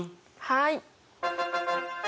はい。